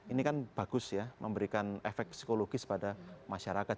ini kan bagus ya memberikan efek psikologis pada masyarakat